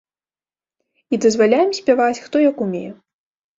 І дазваляем спяваць, хто як умее.